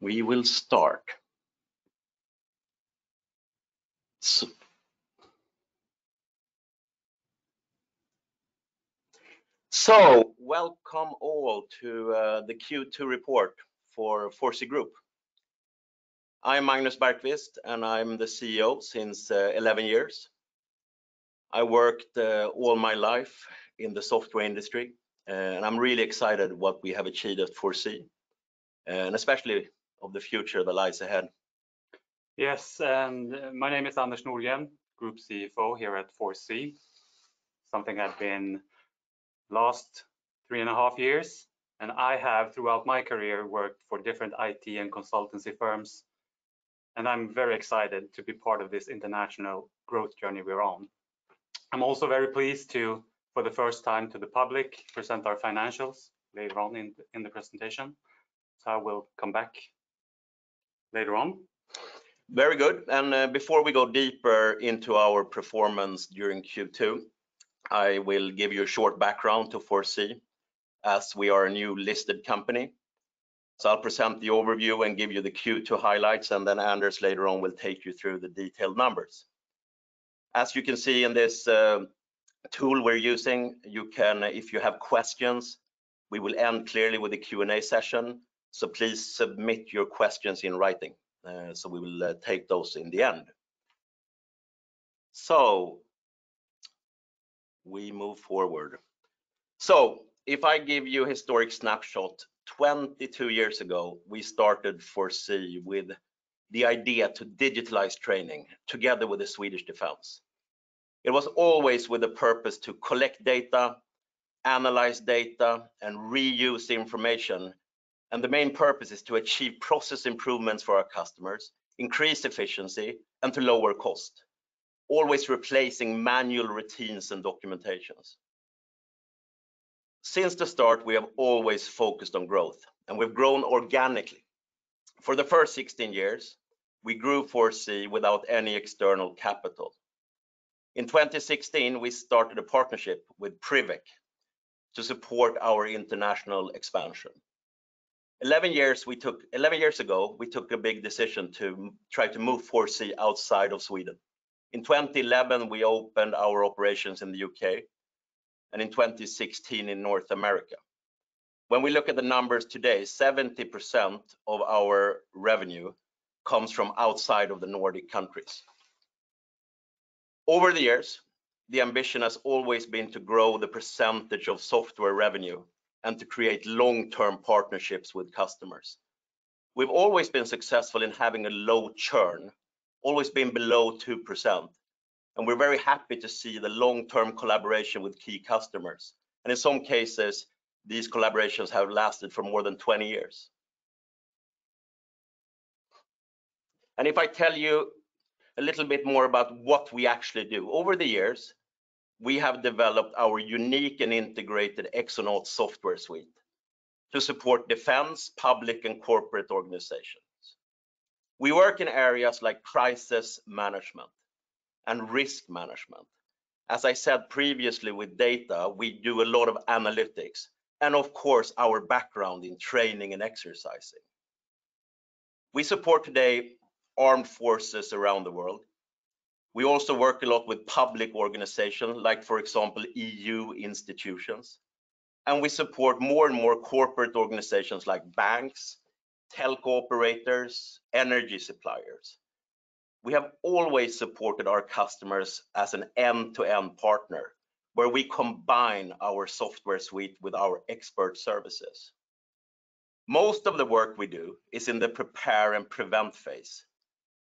We will start. Welcome all to the Q2 report for 4C Group. I'm Magnus Bergqvist, and I'm the CEO since 11 years. I worked all my life in the software industry, and I'm really excited what we have achieved at 4C, and especially of the future that lies ahead. My name is Anders Nordgren, Group CFO here at 4C, something I've been last three and a half years. I have, throughout my career, worked for different IT and consultancy firms, and I'm very excited to be part of this international growth journey we're on. I'm also very pleased to, for the first time to the public, present our financials later on in the presentation. I will come back later on. Very good. Before we go deeper into our performance during Q2, I will give you a short background to 4C, as we are a new listed company. I'll present the overview and give you the Q2 highlights, and then Anders later on will take you through the detailed numbers. As you can see in this tool we're using, if you have questions, we will end clearly with a Q&A session, so please submit your questions in writing, so we will take those in the end. We move forward. If I give you a historic snapshot, 22 years ago, we started 4C with the idea to digitalize training together with the Swedish Armed Forces. It was always with the purpose to collect data, analyze data, and reuse the information, and the main purpose is to achieve process improvements for our customers, increase efficiency, and to lower cost, always replacing manual routines and documentations. Since the start, we have always focused on growth, and we've grown organically. For the first 16 years, we grew 4C without any external capital. In 2016, we started a partnership with Priveq to support our international expansion. 11 years ago, we took a big decision to try to move 4C outside of Sweden. In 2011, we opened our operations in the U.K., and in 2016 in North America. When we look at the numbers today, 70% of our revenue comes from outside of the Nordic countries. Over the years, the ambition has always been to grow the percentage of software revenue and to create long-term partnerships with customers. We've always been successful in having a low churn, always been below 2%, and we're very happy to see the long-term collaboration with key customers, and in some cases, these collaborations have lasted for more than 20 years. If I tell you a little bit more about what we actually do, over the years, we have developed our unique and integrated Exonaut software suite to support defense, public, and corporate organizations. We work in areas like crisis management and risk management. As I said previously with data, we do a lot of analytics and, of course, our background in training and exercising. We support today armed forces around the world. We also work a lot with public organizations like, for example, EU institutions, and we support more and more corporate organizations like banks, telco operators, energy suppliers. We have always supported our customers as an end-to-end partner, where we combine our software suite with our Expert Services. Most of the work we do is in the prepare and prevent phase,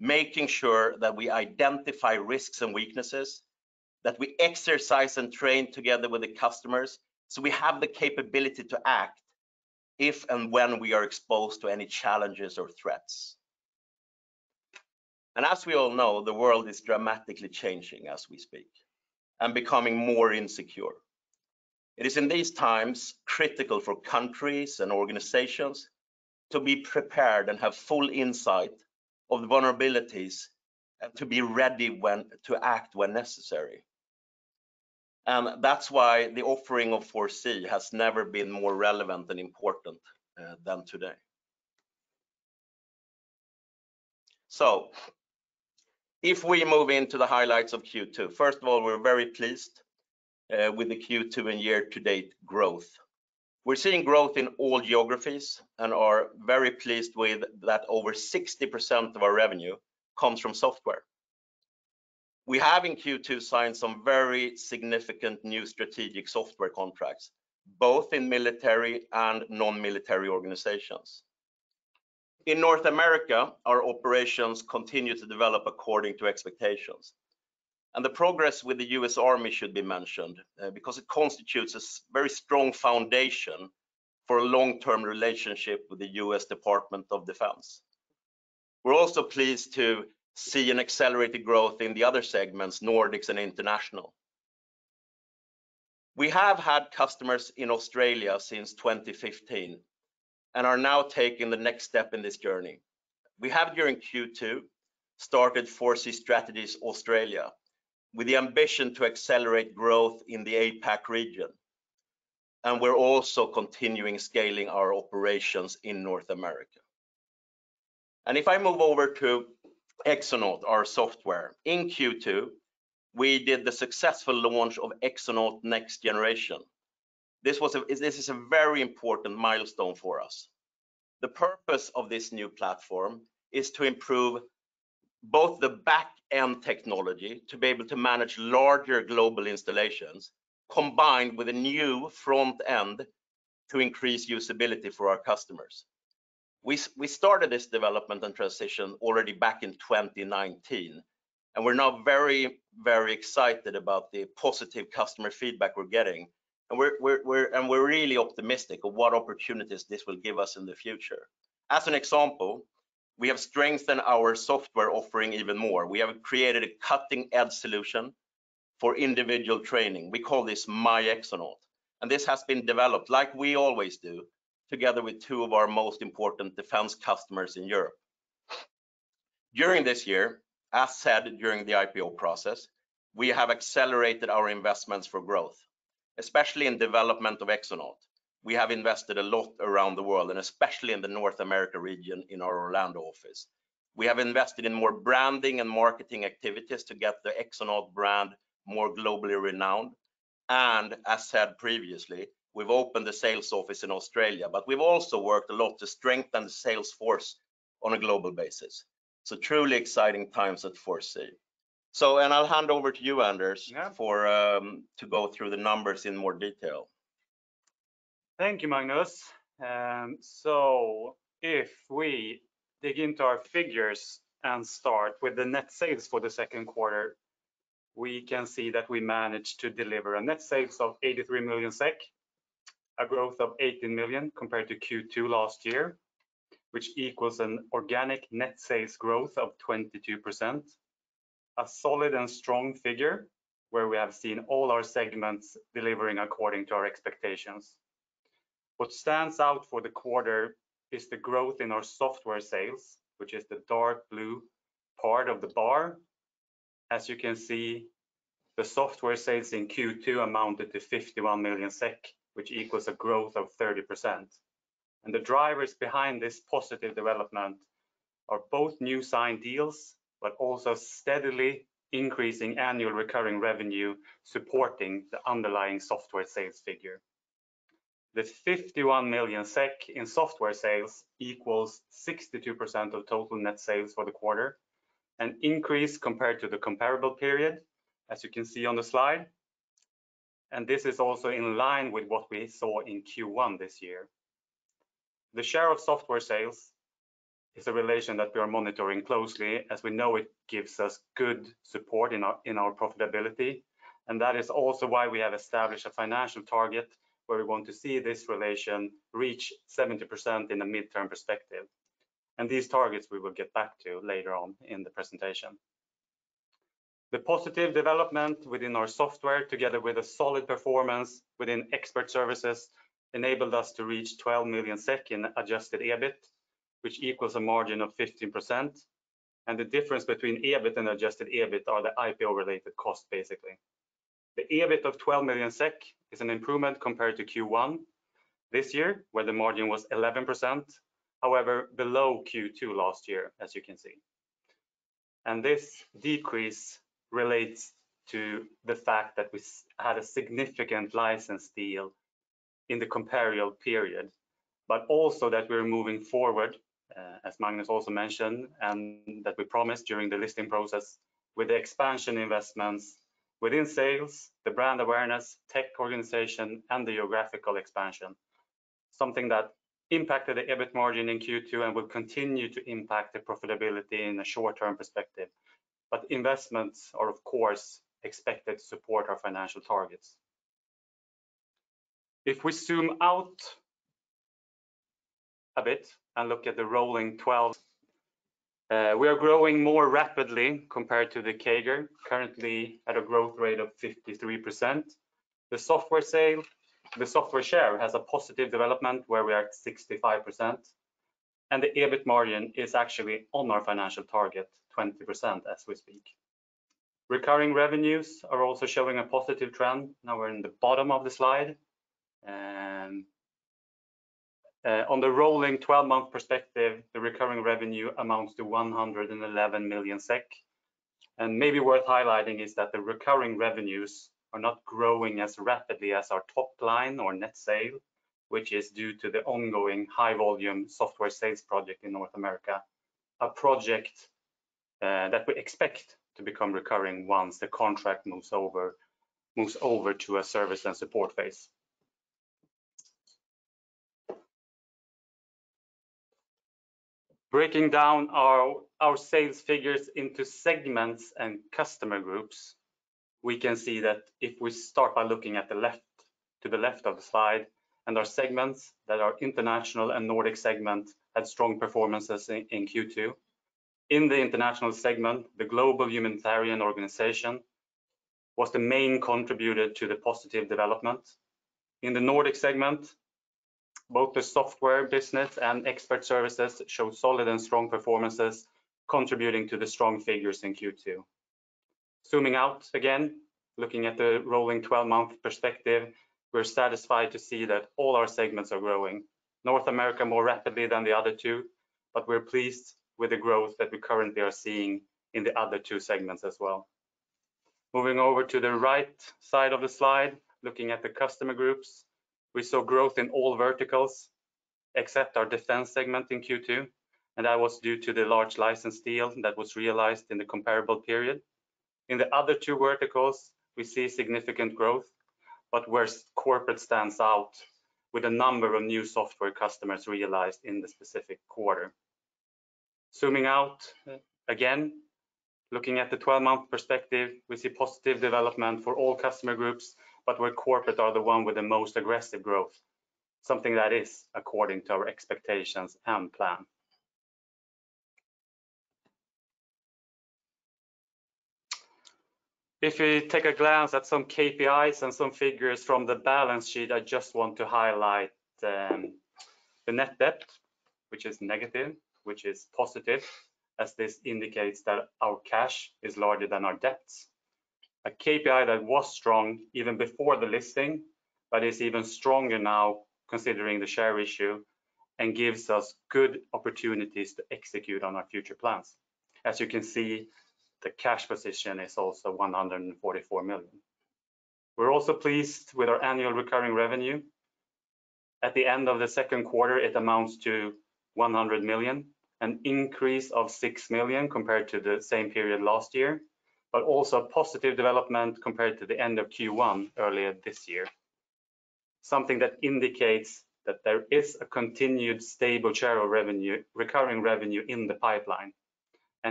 making sure that we identify risks and weaknesses, that we exercise and train together with the customers, so we have the capability to act if and when we are exposed to any challenges or threats. As we all know, the world is dramatically changing as we speak and becoming more insecure. It is in these times critical for countries and organizations to be prepared and have full insight of the vulnerabilities and to be ready to act when necessary. That's why the offering of 4C has never been more relevant and important than today. If we move into the highlights of Q2, first of all, we're very pleased with the Q2 and year-to-date growth. We're seeing growth in all geographies and are very pleased with that. Over 60% of our revenue comes from software. We have in Q2 signed some very significant new strategic software contracts, both in military and non-military organizations. In North America, our operations continue to develop according to expectations, and the progress with the U.S. Army should be mentioned, because it constitutes a very strong foundation for a long-term relationship with the U.S. Department of Defense. We're also pleased to see an accelerated growth in the other segments, Nordics and International. We have had customers in Australia since 2015 and are now taking the next step in this journey. We have during Q2 started 4C Strategies Australia with the ambition to accelerate growth in the APAC region, and we're also continuing scaling our operations in North America. If I move over to Exonaut, our software. In Q2, we did the successful launch of Exonaut next generation. This is a very important milestone for us. The purpose of this new platform is to improve both the back-end technology to be able to manage larger global installations, combined with a new front end to increase usability for our customers. We started this development and transition already back in 2019, and we're now very, very excited about the positive customer feedback we're getting, and we're really optimistic of what opportunities this will give us in the future. As an example, we have strengthened our software offering even more. We have created a cutting-edge solution for individual training. We call this myExonaut, and this has been developed, like we always do, together with two of our most important defense customers in Europe. During this year, as said during the IPO process, we have accelerated our investments for growth, especially in development of Exonaut. We have invested a lot around the world and especially in the North America region in our Orlando office. We have invested in more branding and marketing activities to get the Exonaut brand more globally renowned, and as said previously, we've opened a sales office in Australia. We've also worked a lot to strengthen the sales force on a global basis. Truly exciting times at 4C. I'll hand over to you, Anders. Yeah. To go through the numbers in more detail. Thank you, Magnus. If we dig into our figures and start with the net sales for the second quarter, we can see that we managed to deliver a net sales of 83 million SEK, a growth of 18 million compared to Q2 last year, which equals an organic net sales growth of 22%. A solid and strong figure where we have seen all our segments delivering according to our expectations. What stands out for the quarter is the growth in our software sales, which is the dark blue part of the bar. As you can see, the software sales in Q2 amounted to 51 million SEK, which equals a growth of 30%, and the drivers behind this positive development are both new signed deals, but also steadily increasing annual recurring revenue supporting the underlying software sales figure. 51 million SEK in software sales equals 62% of total net sales for the quarter, an increase compared to the comparable period, as you can see on the slide, and this is also in line with what we saw in Q1 this year. The share of software sales is a relation that we are monitoring closely, as we know it gives us good support in our profitability, and that is also why we have established a financial target where we want to see this relation reach 70% in a midterm perspective, and these targets we will get back to later on in the presentation. The positive development within our software, together with a solid performance within Expert Services, enabled us to reach 12 million SEK in Adjusted EBIT, which equals a margin of 15%, and the difference between EBIT and Adjusted EBIT are the IPO-related cost, basically. The EBIT of 12 million SEK is an improvement compared to Q1 this year, where the margin was 11%. However, below Q2 last year, as you can see. This decrease relates to the fact that we had a significant license deal in the comparable period, but also that we're moving forward, as Magnus also mentioned, and that we promised during the listing process with the expansion investments within sales, the brand awareness, tech organization, and the geographical expansion, something that impacted the EBIT margin in Q2 and will continue to impact the profitability in the short-term perspective. Investments are, of course, expected to support our financial targets. If we zoom out a bit and look at the rolling 12, we are growing more rapidly compared to the CAGR, currently at a growth rate of 53%. The software share has a positive development where we are at 65%, and the EBIT margin is actually on our financial target, 20%, as we speak. Recurring revenues are also showing a positive trend. Now we're in the bottom of the slide. On the rolling 12-month perspective, the recurring revenue amounts to 111 million SEK. Maybe worth highlighting is that the recurring revenues are not growing as rapidly as our top line or net sales, which is due to the ongoing high-volume software sales project in North America, a project that we expect to become recurring once the contract moves over to a service and support phase. Breaking down our sales figures into segments and customer groups, we can see that if we start by looking to the left of the slide and our segments that our international and Nordic segment had strong performances in Q2. In the international segment, the global humanitarian organization was the main contributor to the positive development. In the Nordic segment, both the software business and Expert Services showed solid and strong performances, contributing to the strong figures in Q2. Zooming out again, looking at the rolling 12-month perspective, we're satisfied to see that all our segments are growing, North America more rapidly than the other two, but we're pleased with the growth that we currently are seeing in the other two segments as well. Moving over to the right side of the slide, looking at the customer groups, we saw growth in all verticals except our defense segment in Q2, and that was due to the large license deal that was realized in the comparable period. In the other two verticals, we see significant growth, but where corporate stands out with a number of new software customers realized in the specific quarter. Zooming out again, looking at the 12-month perspective, we see positive development for all customer groups, but where corporate are the one with the most aggressive growth, something that is according to our expectations and plan. If we take a glance at some KPIs and some figures from the balance sheet, I just want to highlight the net debt, which is negative, which is positive, as this indicates that our cash is larger than our debts, a KPI that was strong even before the listing, but is even stronger now considering the share issue and gives us good opportunities to execute on our future plans. As you can see, the cash position is also 144 million. We're also pleased with our annual recurring revenue. At the end of the second quarter, it amounts to 100 million, an increase of 6 million compared to the same period last year, but also a positive development compared to the end of Q1 earlier this year, something that indicates that there is a continued stable share of revenue, recurring revenue in the pipeline.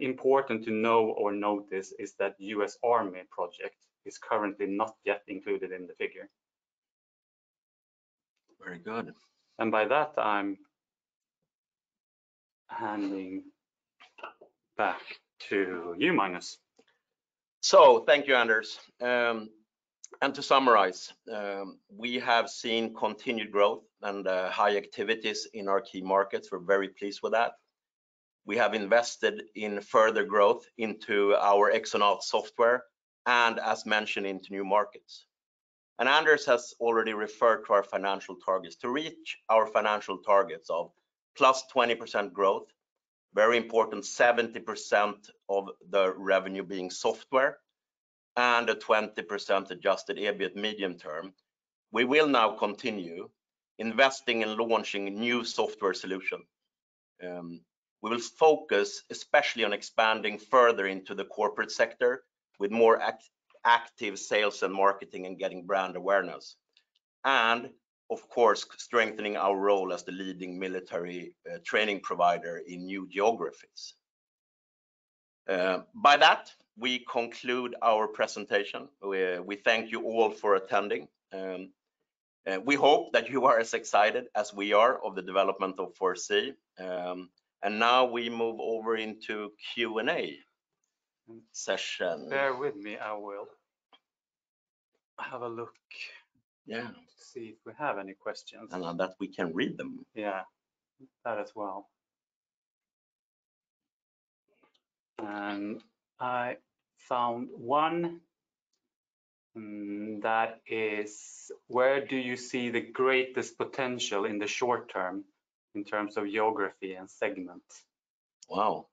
Important to know or notice is that U.S. Army project is currently not yet included in the figure. Very good. By that, I'm handing back to you, Magnus. Thank you, Anders. To summarize, we have seen continued growth and high activities in our key markets. We're very pleased with that. We have invested in further growth into our Exonaut software and, as mentioned, into new markets. Anders has already referred to our financial targets. To reach our financial targets of plus 20% growth, very important, 70% of the revenue being software, and a 20% adjusted EBIT medium term, we will now continue investing in launching new software solution. We will focus especially on expanding further into the corporate sector with more active sales and marketing and getting brand awareness and, of course, strengthening our role as the leading military training provider in new geographies. By that, we conclude our presentation. We thank you all for attending. We hope that you are as excited as we are of the development of 4C. Now we move over into Q&A session. Bear with me. I will have a look. Yeah. To see if we have any questions. That we can read them. Yeah. That as well. I found one. That is. Where do you see the greatest potential in the short term in terms of geography and segment? Wow.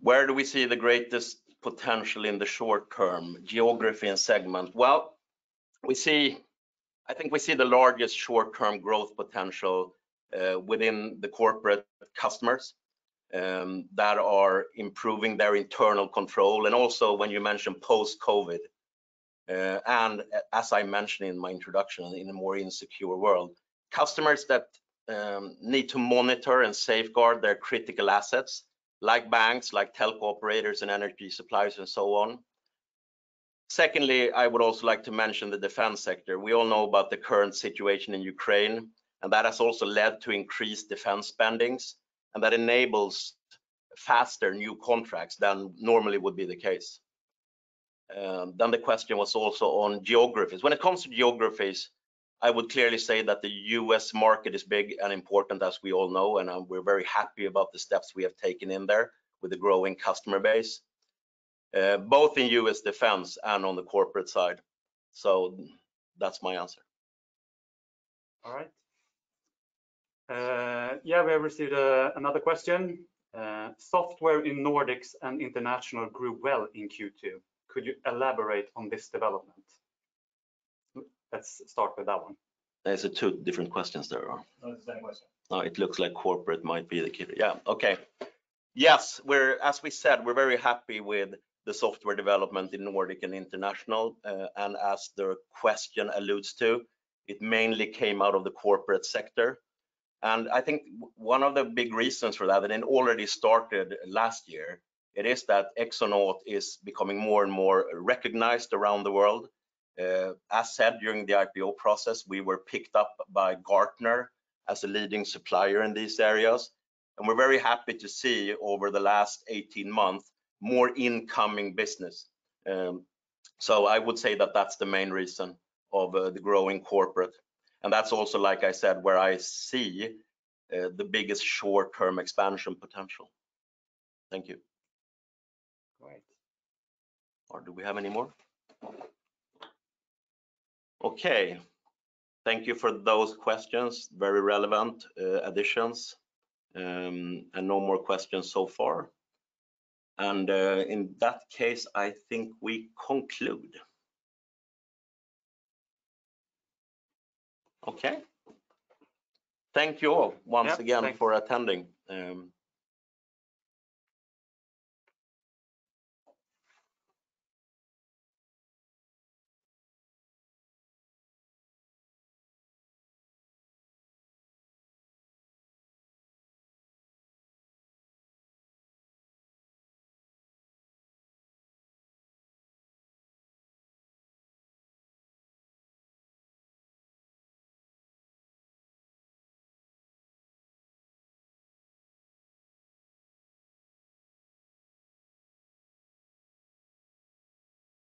Where do we see the greatest potential in the short term, geography and segment? Well, I think we see the largest short-term growth potential within the corporate customers that are improving their internal control and also when you mention post-COVID, and as I mentioned in my introduction, in a more insecure world, customers that need to monitor and safeguard their critical assets like banks, like telco operators and energy suppliers and so on. Secondly, I would also like to mention the defense sector. We all know about the current situation in Ukraine, and that has also led to increased defense spending, and that enables faster new contracts than normally would be the case. Then the question was also on geographies. When it comes to geographies, I would clearly say that the U.S. market is big and important, as we all know, and we're very happy about the steps we have taken in there with the growing customer base, both in U.S. Defense and on the corporate side. That's my answer. All right. Yeah, we have received another question. Software in Nordics and international grew well in Q2. Could you elaborate on this development? Let's start with that one. Those are two different questions there are. No, it's the same question. Oh, it looks like corporate might be the key. Yeah. Okay. Yes, as we said, we're very happy with the software development in Nordic and international. As the question alludes to, it mainly came out of the corporate sector. I think one of the big reasons for that, and it already started last year, it is that Exonaut is becoming more and more recognized around the world. As said during the IPO process, we were picked up by Gartner as a leading supplier in these areas, and we're very happy to see over the last 18 months more incoming business. I would say that that's the main reason of the growing corporate, and that's also, like I said, where I see the biggest short-term expansion potential. Thank you. Great. Or do we have any more? Okay. Thank you for those questions. Very relevant additions, and no more questions so far. In that case, I think we conclude. Okay. Thank you all once again for attending. Yep. Thanks.